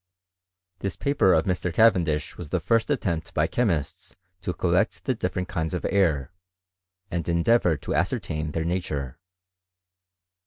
This paper of Mr. Cavendish was the first attempt by chemists to collect the difljerent kinds of air, and endeavour to ascertain their nature.